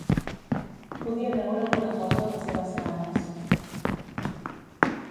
Podia veure alguna cosa en les seves cares.